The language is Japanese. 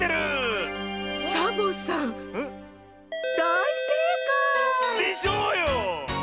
サボさんだいせいかい！でしょうよ！